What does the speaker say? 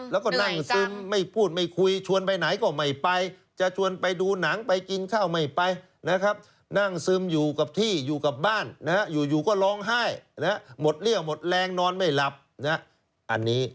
แล้วก็นั่งซึมไม่พูดไม่คุยชวนไปไหนก็ไม่ไปจะชวนไปดูหนังไปกินข้าวไม่ไปนะครับนั่งซึมอยู่กับที่อยู่กับบ้านนะฮะอยู่ก็ร้องไห้หมดเรี่ยวหมดแรงนอนไม่หลับอันนี้